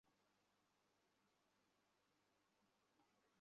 না, আমি তোমার জন্য ফিরে এসেছি।